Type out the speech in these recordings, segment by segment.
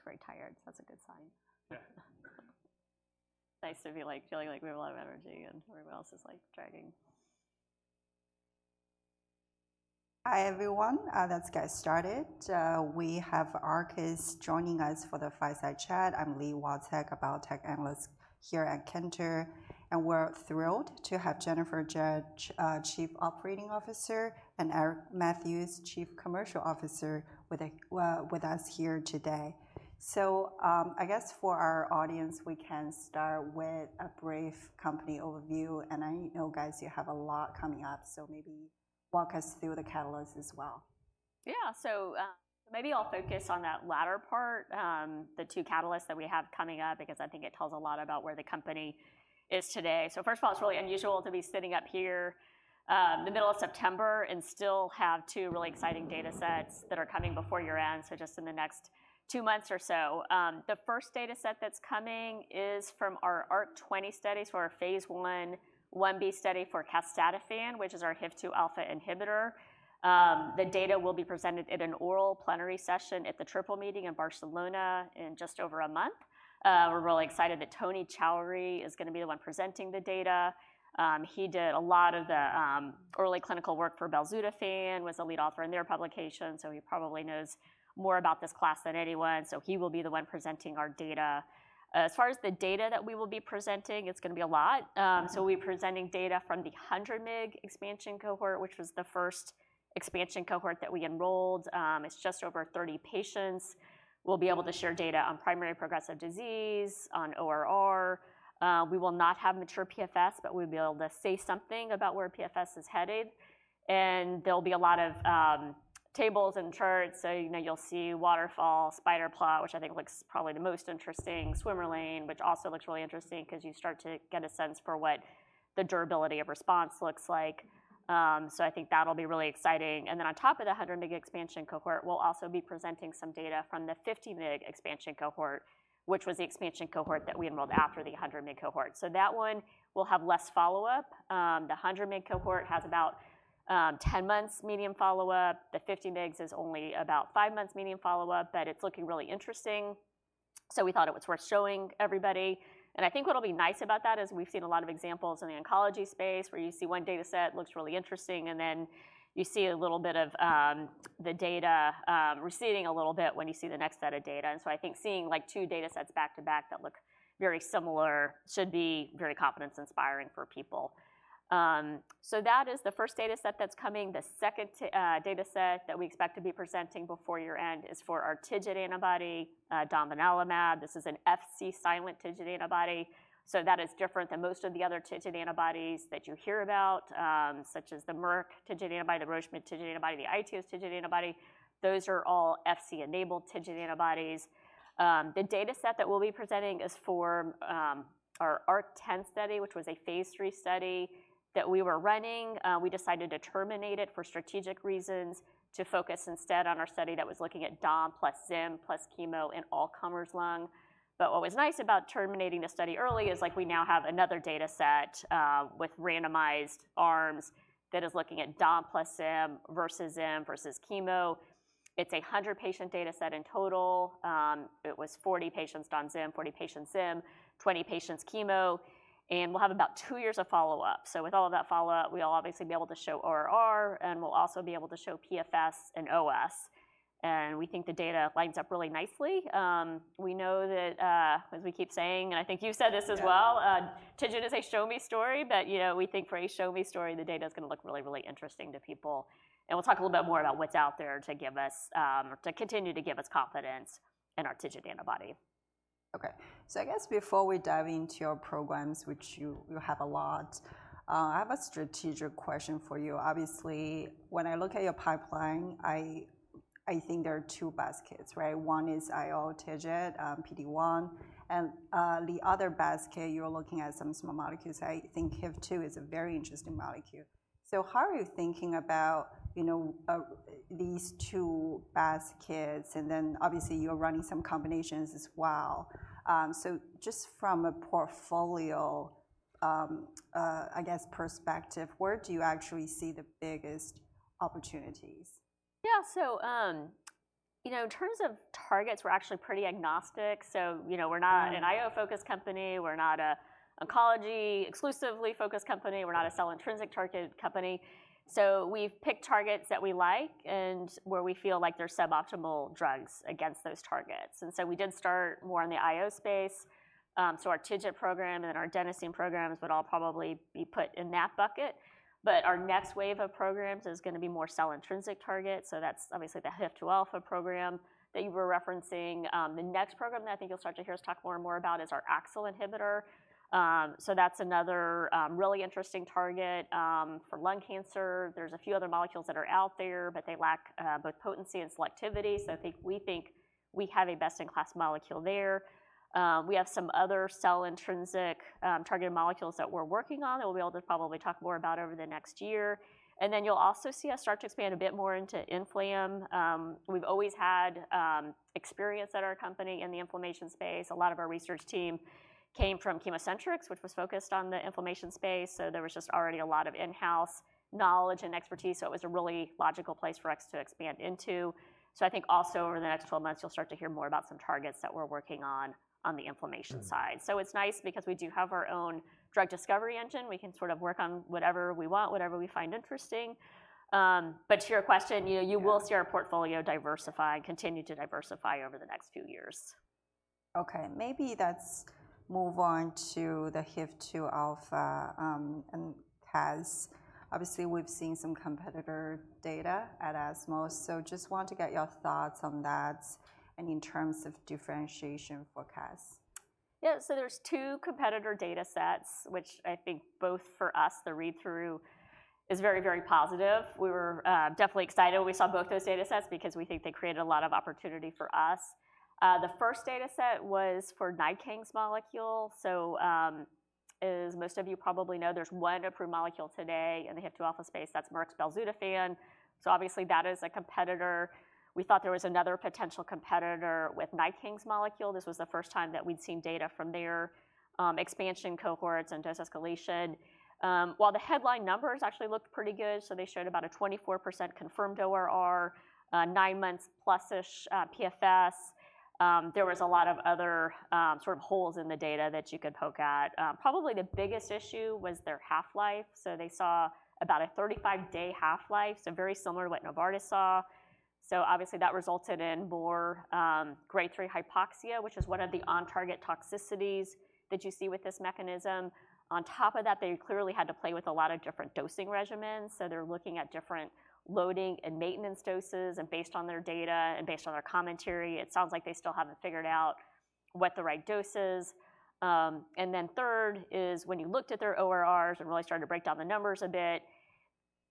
Great attendance. Everyone looks very tired, so that's a good sign. Yeah. Nice to be, like, feeling like we have a lot of energy, and everyone else is, like, dragging. Hi, everyone, let's get started. We have Arcus joining us for the Fireside Chat. I'm Li Watsek, a biotech analyst here at Cantor, and we're thrilled to have Jennifer Jarrett, Chief Operating Officer, and Eric Matthews, Chief Commercial Officer, with us here today. So, I guess for our audience, we can start with a brief company overview, and I know, guys, you have a lot coming up, so maybe walk us through the catalysts as well. Yeah. So, maybe I'll focus on that latter part, the two catalysts that we have coming up, because I think it tells a lot about where the company is today. First of all, it's really unusual to be sitting up here, the middle of September and still have two really exciting data sets that are coming before year-end, so just in the next two months or so. The first data set that's coming is from our ARC-20 studies, for our phase 1 /1b study for Casdatifan, which is our HIF-2 alpha inhibitor. The data will be presented at an oral plenary session at the Triple Meeting in Barcelona in just over a month. We're really excited that Toni Choueiri is gonna be the one presenting the data. He did a lot of the early clinical work for belzutifan, was the lead author in their publication, so he probably knows more about this class than anyone, so he will be the one presenting our data. As far as the data that we will be presenting, it's gonna be a lot, so we'll be presenting data from the 100 mg expansion cohort, which was the first expansion cohort that we enrolled. It's just over 30 patients. We'll be able to share data on primary progressive disease, on ORR. We will not have mature PFS, but we'll be able to say something about where PFS is headed. And there'll be a lot of tables and charts, so, you know, you'll see waterfall, spider plot, which I think looks probably the most interesting, swimmer lane, which also looks really interesting 'cause you start to get a sense for what the durability of response looks like, so I think that'll be really exciting. And then on top of the 100 mg expansion cohort, we'll also be presenting some data from the 50 mg expansion cohort, which was the expansion cohort that we enrolled after the 100 mg cohort, so that one will have less follow-up. The 100 mg cohort has about 10 months median follow-up. The 50 mg is only about 5 months median follow-up, but it's looking really interesting, so we thought it was worth showing everybody. And I think what'll be nice about that is we've seen a lot of examples in the oncology space, where you see one data set looks really interesting, and then you see a little bit of the data receding a little bit when you see the next set of data. And so I think seeing, like, two data sets back-to-back that look very similar should be very confidence-inspiring for people. So that is the first data set that's coming. The second data set that we expect to be presenting before year-end is for our TIGIT antibody, Domvanalimab. This is an Fc-silent TIGIT antibody, so that is different than most of the other TIGIT antibodies that you hear about, such as the Merck TIGIT antibody, the Roche TIGIT antibody, the iTeos TIGIT antibody. Those are all Fc-enabled TIGIT antibodies. The data set that we'll be presenting is for our ARC-10 study, which was a phase 3 study that we were running. We decided to terminate it for strategic reasons, to focus instead on our study that was looking at Dom plus Zim plus chemo in all-comers lung. But what was nice about terminating the study early is, like, we now have another data set with randomized arms that is looking at Dom plus Zim versus Zim versus chemo. It's a 100-patient data set in total. It was 40 patients Dom/Zim, 40 patients Zim, 20 patients chemo, and we'll have about two years of follow-up. With all of that follow-up, we'll obviously be able to show ORR, and we'll also be able to show PFS and OS, and we think the data lines up really nicely. We know that, as we keep saying, and I think you've said this as well- Yeah... TIGIT is a show-me story, but, you know, we think for a show-me story, the data is gonna look really, really interesting to people. And we'll talk a little bit more about what's out there to give us, to continue to give us confidence in our TIGIT antibody. Okay. So I guess before we dive into your programs, which you have a lot, I have a strategic question for you. Obviously, when I look at your pipeline, I think there are two baskets, right? One is IO TIGIT, PD-1, and the other basket, you're looking at some small molecules. I think HIF-2 is a very interesting molecule. So how are you thinking about, you know, these two baskets? And then obviously, you're running some combinations as well. So just from a portfolio, I guess, perspective, where do you actually see the biggest opportunities? Yeah. So, you know, in terms of targets, we're actually pretty agnostic. So, you know- Right... we're not an IO-focused company. We're not an oncology exclusively focused company. We're not a cell-intrinsic target company. So we've picked targets that we like and where we feel like there's suboptimal drugs against those targets. And so we did start more in the IO space, so our TIGIT program and then our adenosine programs would all probably be put in that bucket. But our next wave of programs is gonna be more cell-intrinsic targets, so that's obviously the HIF-2 alpha program that you were referencing. The next program that I think you'll start to hear us talk more and more about is our AXL inhibitor. So that's another really interesting target for lung cancer. There's a few other molecules that are out there, but they lack both potency and selectivity, so I think we think we have a best-in-class molecule there. We have some other cell intrinsic targeted molecules that we're working on, that we'll be able to probably talk more about over the next year. And then you'll also see us start to expand a bit more into inflammation. We've always had experience at our company in the inflammation space. A lot of our research team came from ChemoCentryx, which was focused on the inflammation space, so there was just already a lot of in-house knowledge and expertise, so it was a really logical place for us to expand into. So I think also over the next 12 months, you'll start to hear more about some targets that we're working on, on the inflammation side. Mm-hmm. So it's nice because we do have our own drug discovery engine. We can sort of work on whatever we want, whatever we find interesting. But to your question, you know Yeah you will see our portfolio diversify, continue to diversify over the next few years. Okay, maybe let's move on to the HIF-2 alpha, and Cas. Obviously, we've seen some competitor data at ESMO, so just want to get your thoughts on that and in terms of differentiation for Cas. Yeah, so there's two competitor data sets, which I think both for us, the read-through is very, very positive. We were definitely excited when we saw both those data sets because we think they created a lot of opportunity for us. The first data set was for NiKang's molecule. So, as most of you probably know, there's one approved molecule today in the HIF-2 alpha space, that's Merck's belzutifan. So obviously, that is a competitor. We thought there was another potential competitor with NiKang's molecule. This was the first time that we'd seen data from their expansion cohorts and dose escalation. While the headline numbers actually looked pretty good, so they showed about a 24% confirmed ORR, nine months plus-ish, PFS, there was a lot of other sort of holes in the data that you could poke at. Probably the biggest issue was their half-life, so they saw about a 35-day half-life, so very similar to what Novartis saw, so obviously, that resulted in more grade three hypoxia, which is one of the on-target toxicities that you see with this mechanism. On top of that, they clearly had to play with a lot of different dosing regimens, so they're looking at different loading and maintenance doses, and based on their data and based on their commentary, it sounds like they still haven't figured out what the right dose is, and then third is, when you looked at their ORRs and really started to break down the numbers a bit,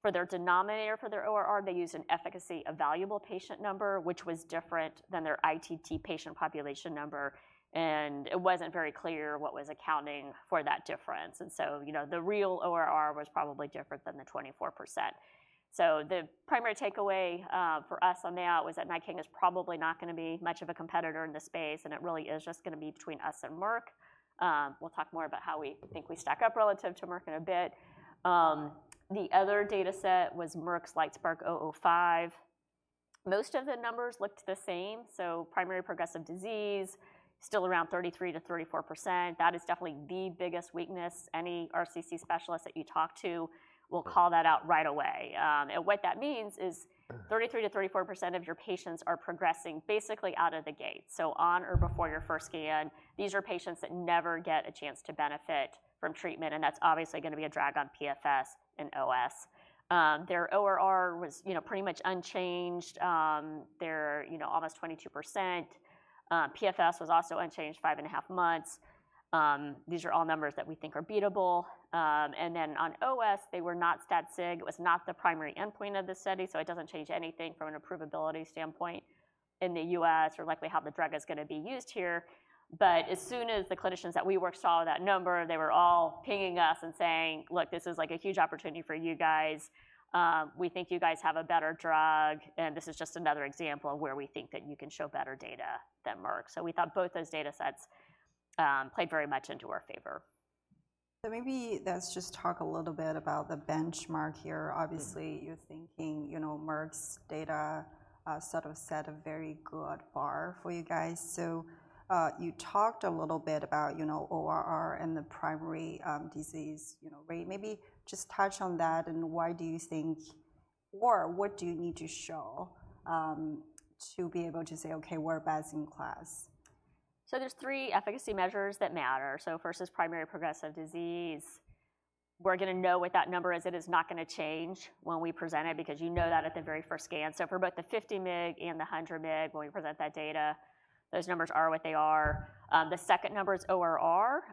for their denominator for their ORR, they used an efficacy evaluable patient number, which was different than their ITT patient population number, and it wasn't very clear what was accounting for that difference. You know, the real ORR was probably different than the 24%. The primary takeaway for us on that was that NiKang is probably not gonna be much of a competitor in this space, and it really is just gonna be between us and Merck. We'll talk more about how we think we stack up relative to Merck in a bit. The other data set was Merck's LITESPARK-005. Most of the numbers looked the same, so primary progressive disease, still around 33% to 34%. That is definitely the biggest weakness any RCC specialist that you talk to will call that out right away. And what that means is- Mm... 33-34% of your patients are progressing basically out of the gate, so on or before your first scan. These are patients that never get a chance to benefit from treatment, and that's obviously gonna be a drag on PFS and OS. Their ORR was, you know, pretty much unchanged, their, you know, almost 22%. PFS was also unchanged, five and a half months. These are all numbers that we think are beatable. And then on OS, they were not stat sig. It was not the primary endpoint of the study, so it doesn't change anything from an approvability standpoint in the U.S., or likely how the drug is gonna be used here. As soon as the clinicians that we worked saw that number, they were all pinging us and saying: "Look, this is, like, a huge opportunity for you guys. We think you guys have a better drug, and this is just another example of where we think that you can show better data than Merck." We thought both those data sets played very much into our favor. So maybe let's just talk a little bit about the benchmark here. Mm-hmm. Obviously, you're thinking, you know, Merck's data sort of set a very good bar for you guys. So, you talked a little bit about, you know, ORR and the primary disease, you know, rate. Maybe just touch on that, and why do you think... Or what do you need to show to be able to say, "Okay, we're best in class? There are three efficacy measures that matter. First is primary progressive disease. We're gonna know what that number is, it is not gonna change when we present it, because you know that at the very first scan. For both the 50 mg and the 100 mg, when we present that data, those numbers are what they are. The second number is ORR.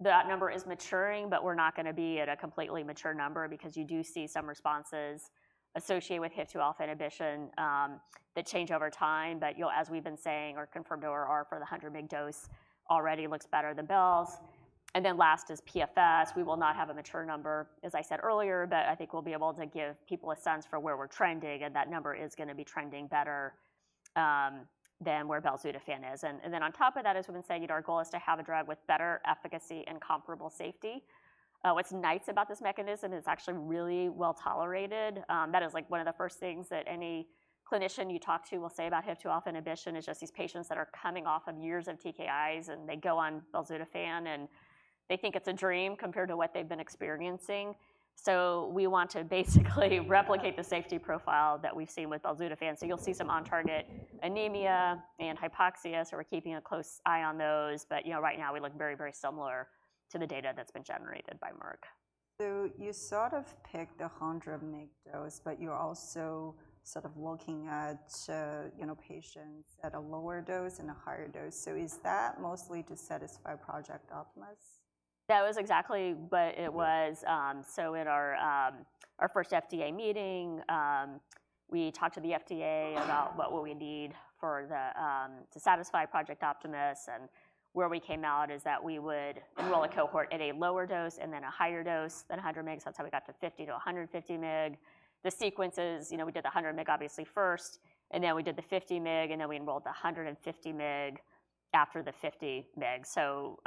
That number is maturing, but we're not gonna be at a completely mature number because you do see some responses associated with HIF-2 alpha inhibition that change over time. You'll, as we've been saying, our confirmed ORR for the 100 mg dose already looks better than Bel's. Last is PFS. We will not have a mature number, as I said earlier, but I think we'll be able to give people a sense for where we're trending, and that number is gonna be trending better than where belzutifan is. And, and then on top of that, as we've been saying, our goal is to have a drug with better efficacy and comparable safety. What's nice about this mechanism, it's actually really well-tolerated. That is, like, one of the first things that any clinician you talk to will say about HIF-2 alpha inhibition, is just these patients that are coming off of years of TKIs, and they go on belzutifan, and they think it's a dream compared to what they've been experiencing. So we want to basically replicate the safety profile that we've seen with belzutifan. So you'll see some on-target anemia and hypoxia, so we're keeping a close eye on those. But, you know, right now, we look very, very similar to the data that's been generated by Merck. You sort of picked the 100 mg dose, but you're also sort of looking at, you know, patients at a lower dose and a higher dose. Is that mostly to satisfy Project Optimus?... That was exactly what it was. So at our our first FDA meeting, we talked to the FDA about what would we need for the to satisfy Project Optimus, and where we came out is that we would enroll a cohort at a lower dose and then a higher dose, then 100 mg. That's how we got to 50 to 150 mg. The sequences, you know, we did the 100 mg obviously first, and then we did the 50 mg, and then we enrolled the 150 mg after the 50 mg. So,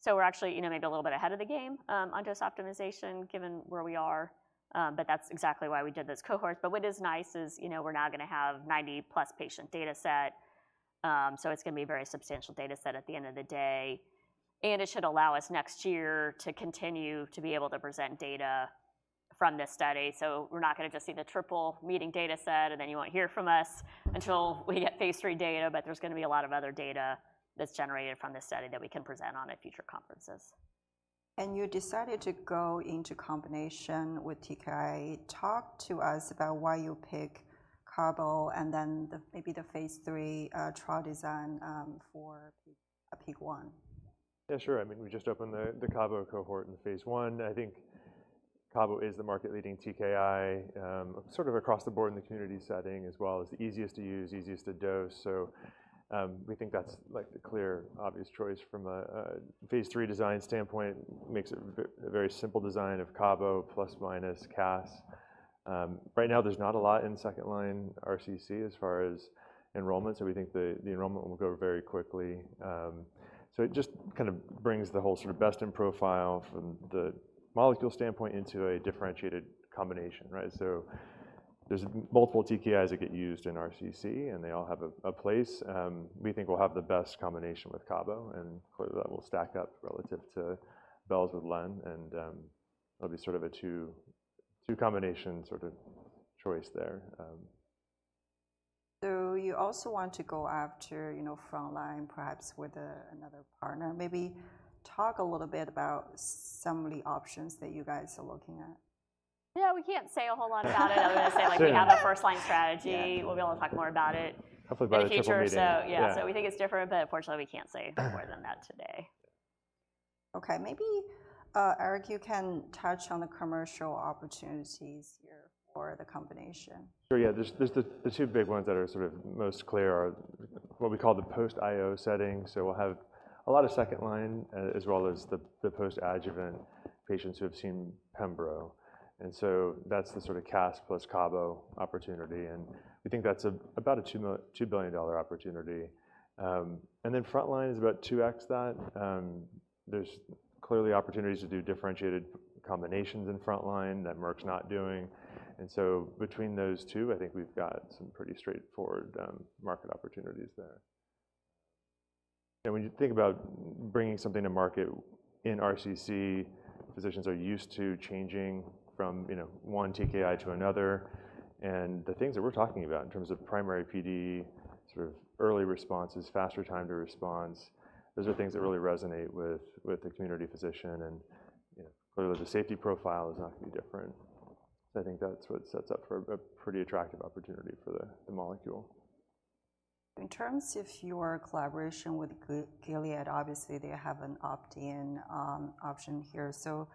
so we're actually, you know, maybe a little bit ahead of the game, on dose optimization, given where we are. But that's exactly why we did this cohort. But what is nice is, you know, we're now gonna have 90-plus patient data set. So it's gonna be a very substantial data set at the end of the day, and it should allow us next year to continue to be able to present data from this study. We're not gonna just see the Triple Meeting data set, and then you won't hear from us until we get phase three data, but there's gonna be a lot of other data that's generated from this study that we can present on at future conferences. And you decided to go into combination with TKI. Talk to us about why you picked CABO, and then maybe the phase three trial design for PIK3CA. Yeah, sure. I mean, we just opened the CABO cohort in the phase one. I think CABO is the market-leading TKI, sort of across the board in the community setting, as well as the easiest to use, easiest to dose. So, we think that's, like, the clear, obvious choice from a phase three design standpoint. Makes it a very simple design of CABO plus, minus CAS. Right now, there's not a lot in second-line RCC as far as enrollment, so we think the enrollment will go very quickly. So it just kind of brings the whole sort of best in profile from the molecule standpoint into a differentiated combination, right? So there's multiple TKIs that get used in RCC, and they all have a place. We think we'll have the best combination with CABO, and clearly, that will stack up relative to Belz with Len, and it'll be sort of a two, two combination sort of choice there. So you also want to go after, you know, frontline, perhaps with another partner. Maybe talk a little bit about some of the options that you guys are looking at. Yeah, we can't say a whole lot about it- Sure. other than to say, like, we have a first-line strategy. Yeah. We'll be able to talk more about it- Hopefully by the Triple Meeting. in the future. So yeah- Yeah. So we think it's different, but unfortunately, we can't say more than that today. Yeah. Okay, maybe, Eric, you can touch on the commercial opportunities here for the combination. Sure, yeah. There's the two big ones that are sort of most clear are what we call the post-IO setting. So we'll have a lot of second line, as well as the post-adjuvant patients who have seen Pembro. And so that's the sort of CAS plus CABO opportunity, and we think that's about a $2 billion opportunity. And then frontline is about two X that. There's clearly opportunities to do differentiated combinations in frontline that Merck's not doing, and so between those two, I think we've got some pretty straightforward market opportunities there. And when you think about bringing something to market in RCC, physicians are used to changing from, you know, one TKI to another. And the things that we're talking about in terms of primary PD, sort of early responses, faster time to response, those are things that really resonate with the community physician. You know, clearly, the safety profile is not gonna be different, so I think that's what sets up for a pretty attractive opportunity for the molecule. In terms of your collaboration with Gilead, obviously, they have an opt-in option here. So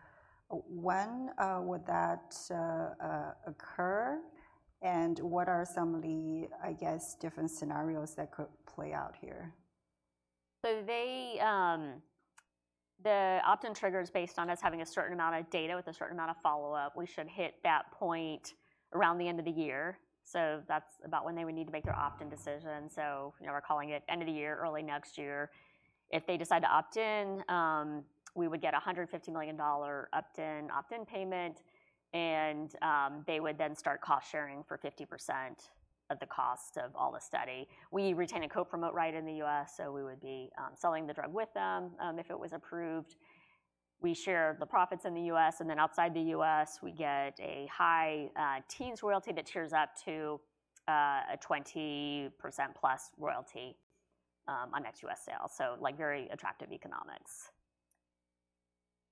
when would that occur, and what are some of the, I guess, different scenarios that could play out here? So they, The opt-in trigger is based on us having a certain amount of data with a certain amount of follow-up. We should hit that point around the end of the year, so that's about when they would need to make their opt-in decision. So, you know, we're calling it end of the year, early next year. If they decide to opt in, we would get a $150 million opt-in, opt-in payment, and, they would then start cost-sharing for 50% of the cost of all the study. We retain a co-promote right in the U.S., so we would be, selling the drug with them, if it was approved. We share the profits in the U.S., and then outside the U.S., we get a high teens royalty that tiers up to, a 20% plus royalty, on ex-U.S. sales. Like, very attractive economics.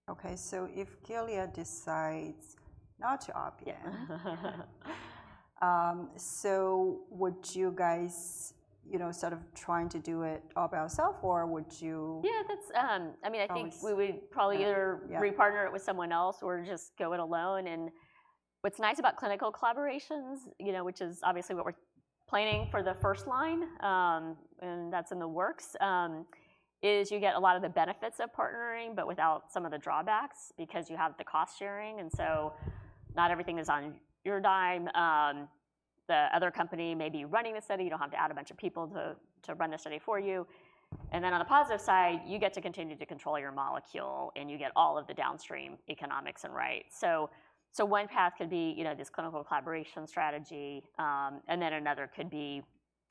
Okay, so if Gilead decides not to opt in- Yeah. So would you guys, you know, sort of trying to do it all by yourself, or would you- Yeah, that's... I mean, I think we would- Oh, yeah... probably either re-partner it with someone else or just go it alone. And what's nice about clinical collaborations, you know, which is obviously what we're planning for the first line, and that's in the works, is you get a lot of the benefits of partnering, but without some of the drawbacks because you have the cost-sharing, and so not everything is on your dime. The other company may be running the study. You don't have to add a bunch of people to run the study for you. And then on the positive side, you get to continue to control your molecule, and you get all of the downstream economics and rights. So one path could be, you know, this clinical collaboration strategy, and then another could be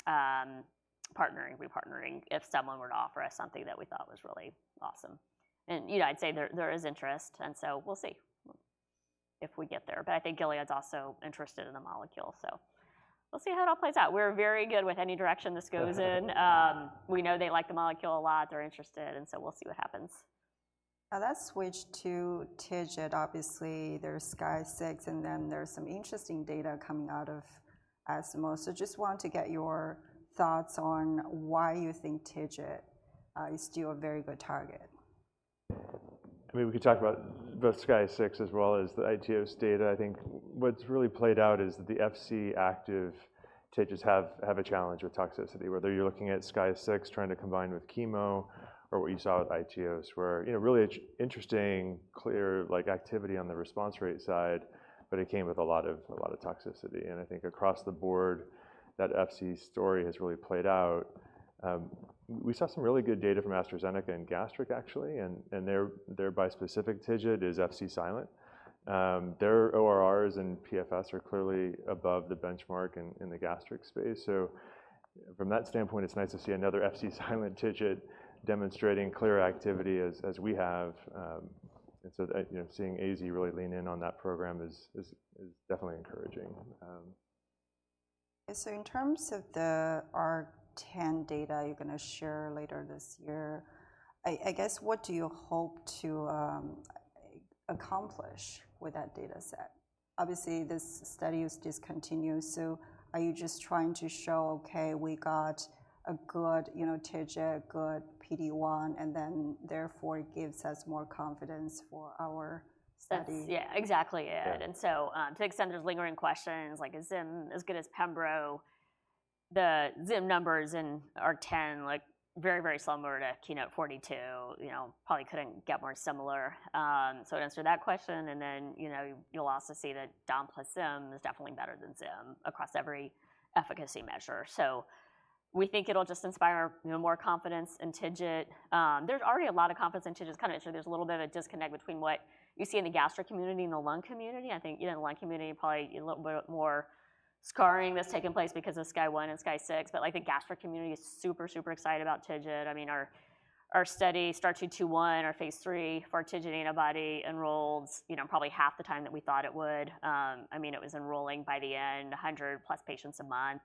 partnering, re-partnering, if someone were to offer us something that we thought was really awesome. You know, I'd say there, there is interest, and so we'll see if we get there. But I think Gilead's also interested in the molecule, so we'll see how it all plays out. We're very good with any direction this goes in. We know they like the molecule a lot, they're interested, and so we'll see what happens. Now, let's switch to TIGIT. Obviously, there's SKYSCRAPER-06, and then there's some interesting data coming out of ESMO. So just want to get your thoughts on why you think TIGIT is still a very good target?... I mean, we could talk about both SKYSCRAPER-06 as well as the iTeos's data. I think what's really played out is that the Fc-active TIGITs have a challenge with toxicity. Whether you're looking at SKYSCRAPER-06 trying to combine with chemo or what you saw with iTeos, where, you know, really interesting, clear, like, activity on the response rate side, but it came with a lot of toxicity. And I think across the board, that Fc story has really played out. We saw some really good data from AstraZeneca in gastric, actually, and their bispecific TIGIT is Fc silent. Their ORRs and PFS are clearly above the benchmark in the gastric space. So from that standpoint, it's nice to see another Fc silent TIGIT demonstrating clear activity as we have. And so, you know, seeing AZ really lean in on that program is definitely encouraging. And so in terms of the ARC-10 data you're gonna share later this year, I guess, what do you hope to accomplish with that data set? Obviously, this study is discontinued, so are you just trying to show, okay, we got a good, you know, TIGIT, good PD-1, and then therefore, it gives us more confidence for our study? That's, yeah, exactly it. Yeah. And so, to extend, there's lingering questions like, is Zim as good as pembro? The Zim numbers in ARC-10, like very, very similar to KEYNOTE-042, you know, probably couldn't get more similar. So it answered that question, and then, you know, you'll also see that dom plus Zim is definitely better than Zim across every efficacy measure. So we think it'll just inspire, you know, more confidence in TIGIT. There's already a lot of confidence in TIGIT. It's kinda, so there's a little bit of a disconnect between what you see in the gastric community and the lung community. I think, you know, in the lung community, probably a little bit more scarring that's taken place because of SKYSCRAPER-01 and SKYSCRAPER-06. But, like, the gastric community is super, super excited about TIGIT. I mean, our study STAR-221, our phase 3 for our TIGIT antibody enrolled, you know, probably half the time that we thought it would. I mean, it was enrolling by the end, 100 plus patients a month.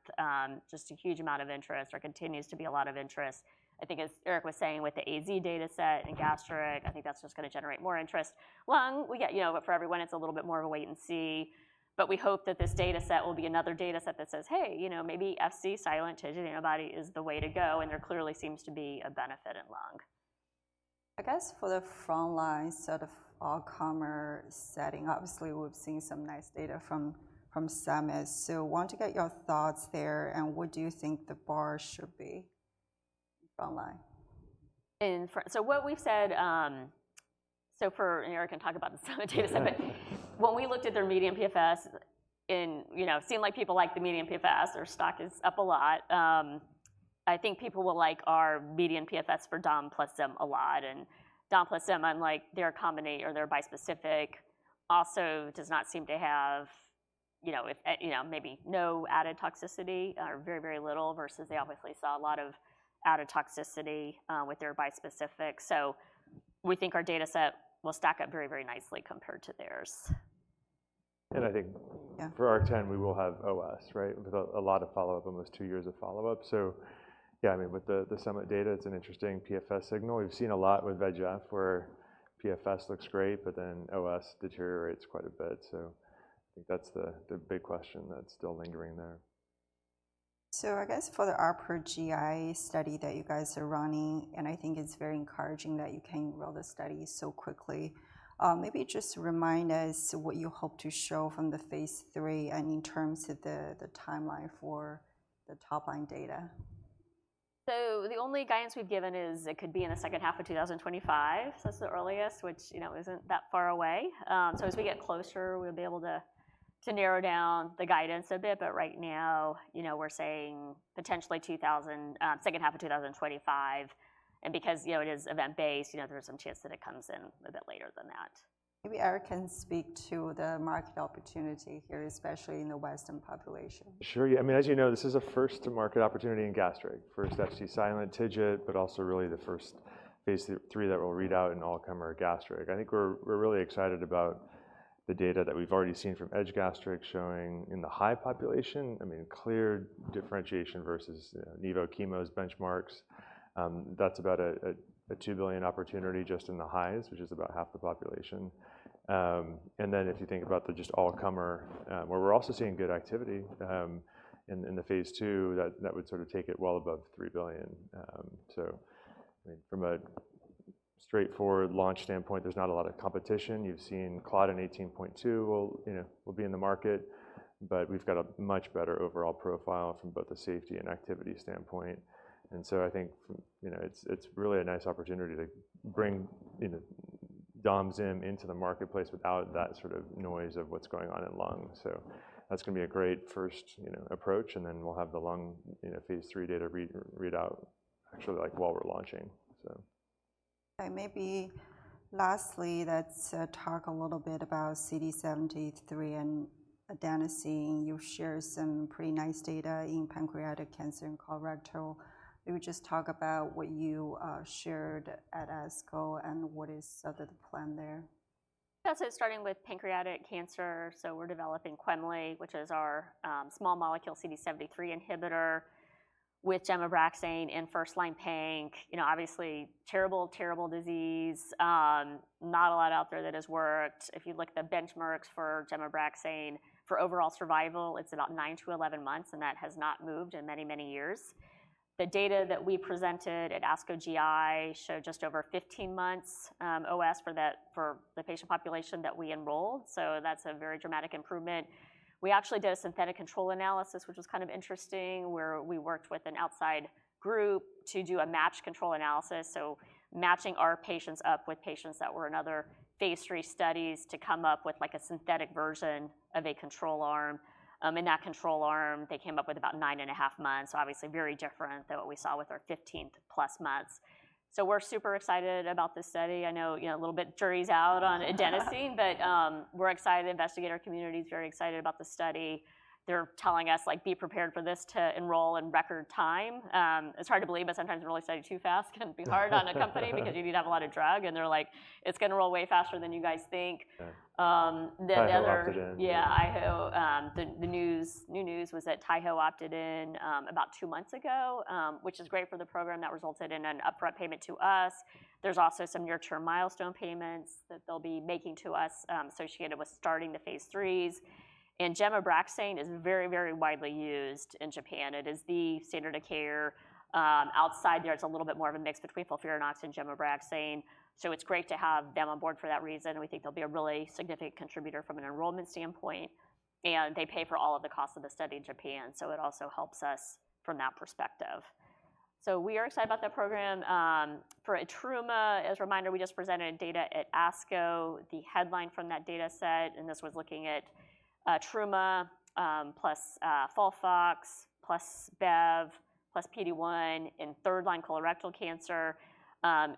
Just a huge amount of interest. There continues to be a lot of interest. I think as Eric was saying with the AZ data set in gastric, I think that's just gonna generate more interest. Lung, we get you know, but for everyone, it's a little bit more of a wait and see, but we hope that this data set will be another data set that says, "Hey, you know, maybe Fc-silent TIGIT antibody is the way to go," and there clearly seems to be a benefit in lung. I guess for the front line set of all-comer setting, obviously, we've seen some nice data from Summit. So want to get your thoughts there, and what do you think the bar should be front line? What we've said, and Eric can talk about the Summit data set. But when we looked at their median PFS, you know, seemed like people like the median PFS. Their stock is up a lot. I think people will like our median PFS for Dom plus Zim a lot, and Dom plus Zim, unlike their combination or their bispecific, also does not seem to have, you know, maybe no added toxicity or very, very little, versus they obviously saw a lot of added toxicity with their bispecific. So we think our data set will stack up very, very nicely compared to theirs. I think- Yeah... for ARC-10, we will have OS, right? With a lot of follow-up, almost two years of follow-up. So yeah, I mean, with the Summit data, it's an interesting PFS signal. We've seen a lot with VEGF, where PFS looks great, but then OS deteriorates quite a bit. So I think that's the big question that's still lingering there. I guess for the ARC-9 GI study that you guys are running, and I think it's very encouraging that you can roll the study so quickly. Maybe just remind us what you hope to show from the phase 3 and in terms of the timeline for the top-line data. The only guidance we've given is it could be in the second half of two thousand and twenty-five. That's the earliest, which, you know, isn't that far away. As we get closer, we'll be able to narrow down the guidance a bit, but right now, you know, we're saying potentially two thousand, second half of two thousand and twenty-five. Because, you know, it is event-based, you know, there's some chance that it comes in a bit later than that. Maybe Eric can speak to the market opportunity here, especially in the Western population. Sure, yeah. I mean, as you know, this is a first-to-market opportunity in gastric. First Fc-silent TIGIT, but also really the first phase III that will read out an all-comer gastric. I think we're really excited about the data that we've already seen from EDGE-Gastric showing in the high population. I mean, clear differentiation versus Nivo/chemo's benchmarks. That's about a $2 billion opportunity just in the highs, which is about half the population. And then if you think about the just all-comer, where we're also seeing good activity in the phase II, that would sort of take it well above $3 billion. So, I mean, from a straightforward launch standpoint, there's not a lot of competition. You've seen Claudin 18.2 will, you know, will be in the market, but we've got a much better overall profile from both the safety and activity standpoint. And so I think, you know, it's really a nice opportunity to bring, you know, Dom Zim into the marketplace without that sort of noise of what's going on in lung. So that's gonna be a great first, you know, approach, and then we'll have the lung, you know, phase 3 data read out actually, like, while we're launching, so. Maybe lastly, let's talk a little bit about CD73 and adenosine. You've shared some pretty nice data in pancreatic cancer and colorectal. Maybe just talk about what you shared at ASCO and what is sort of the plan there. Yeah, so starting with pancreatic cancer, so we're developing Quemliclustat, which is our small molecule CD73 inhibitor with gemcitabine in first-line Panc. You know, obviously terrible, terrible disease. Not a lot out there that has worked. If you look at the benchmarks for gemcitabine, for overall survival, it's about nine to eleven months, and that has not moved in many, many years. The data that we presented at ASCO GI showed just over fifteen months OS for the patient population that we enrolled, so that's a very dramatic improvement. We actually did a synthetic control analysis, which was kind of interesting, where we worked with an outside group to do a matched control analysis. So matching our patients up with patients that were in other phase three studies to come up with, like, a synthetic version of a control arm. In that control arm, they came up with about nine and a half months, so obviously very different than what we saw with our fifteen plus months, so we're super excited about this study. I know, you know, a little bit jury's out on adenosine, but we're excited. The investigator community is very excited about the study. They're telling us, like: "Be prepared for this to enroll in record time." It's hard to believe, but sometimes enrolling a study too fast can be hard on a company, because you need to have a lot of drug, and they're like: "It's gonna roll way faster than you guys think. Yeah. The other- Taiho opted in. Yeah, the new news was that Taiho opted in, about two months ago, which is great for the program. That resulted in an upfront payment to us. There's also some near-term milestone payments that they'll be making to us, associated with starting the phase threes. And gemcitabine is very, very widely used in Japan. It is the standard of care. Outside there, it's a little bit more of a mix between FOLFIRINOX and gemcitabine, so it's great to have them on board for that reason. We think they'll be a really significant contributor from an enrollment standpoint, and they pay for all of the costs of the study in Japan, so it also helps us from that perspective. So we are excited about that program. For etrumadenant, as a reminder, we just presented data at ASCO, the headline from that data set, and this was looking at etrumadenant plus FOLFOX plus Bev plus PD-1 in third-line colorectal cancer.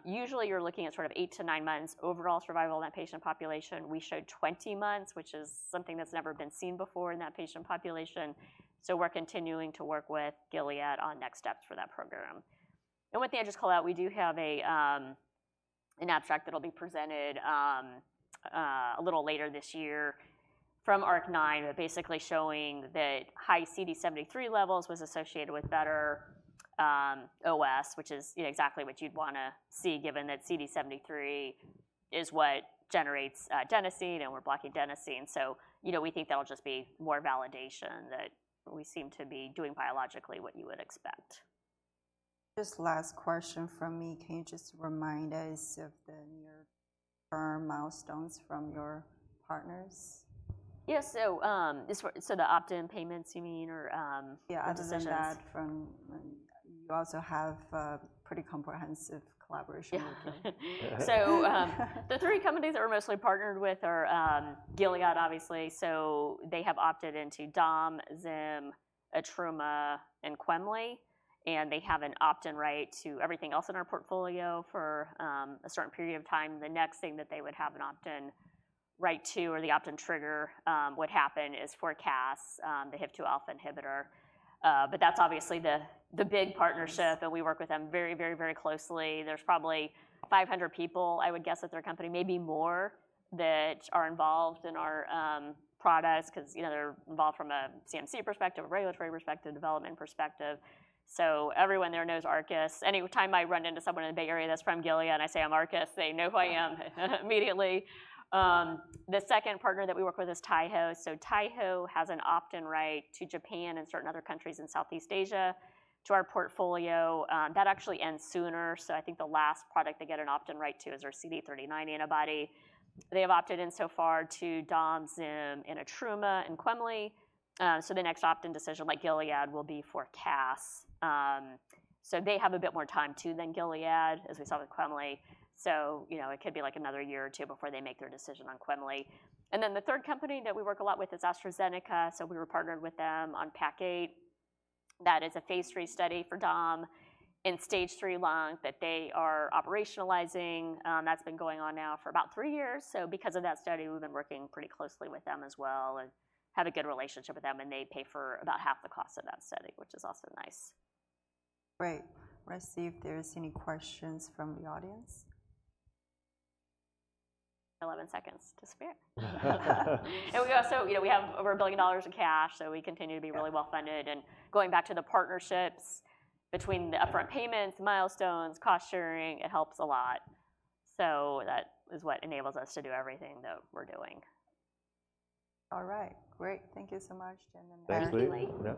Usually you're looking at sort of eight-to-nine months overall survival in that patient population. We showed 20 months, which is something that's never been seen before in that patient population. So we're continuing to work with Gilead on next steps for that program. And one thing I just call out, we do have an abstract that'll be presented a little later this year from ARC-9, but basically showing that high CD73 levels was associated with better OS, which is, you know, exactly what you'd wanna see, given that CD73 is what generates adenosine, and we're blocking adenosine. You know, we think that'll just be more validation that we seem to be doing biologically what you would expect. Just last question from me. Can you just remind us of the near-term milestones from your partners? Yeah. So, this one, so the opt-in payments, you mean, or? Yeah. Decisions. I just want to add. You also have a pretty comprehensive collaboration with them. Yeah. So, the three companies that we're mostly partnered with are, Gilead, obviously. So they have opted into Dom, Zim, Etruma, and Quemli, and they have an opt-in right to everything else in our portfolio for, a certain period of time. The next thing that they would have an opt-in right to or the opt-in trigger, would happen is for CAS, the HIF-2 alpha inhibitor. But that's obviously the big- Yes partnership, and we work with them very, very, very closely. There's probably 500 people, I would guess, at their company, maybe more, that are involved in our products, 'cause, you know, they're involved from a CMC perspective, a regulatory perspective, development perspective. So everyone there knows Arcus. Any time I run into someone in the Bay Area that's from Gilead, and I say I'm Arcus, they know who I am, immediately. The second partner that we work with is Taiho. So Taiho has an opt-in right to Japan and certain other countries in Southeast Asia to our portfolio. That actually ends sooner, so I think the last product they get an opt-in right to is our CD39 antibody. They have opted in so far to Dom, Zim, and Etrima, and Quemli. So the next opt-in decision, like Gilead, will be for CAS. So they have a bit more time too than Gilead, as we saw with quemliclustat. So, you know, it could be like another year or two before they make their decision on quemliclustat. And then the third company that we work a lot with is AstraZeneca. So we were partnered with them on PAC-8. That is a phase three study for Dom in stage three lung that they are operationalizing. That's been going on now for about three years. So because of that study, we've been working pretty closely with them as well and have a good relationship with them, and they pay for about half the cost of that study, which is also nice. Great. Let's see if there is any questions from the audience. Eleven seconds to spare. And we also, you know, we have over $1 billion in cash, so we continue to be-... really well-funded, and going back to the partnerships, between the upfront payments, milestones, cost sharing, it helps a lot, so that is what enables us to do everything that we're doing. All right. Great. Thank you so much, Jen and Eric. Thanks, Li. Yeah.